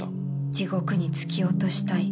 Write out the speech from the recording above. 「地獄に突き落としたい」。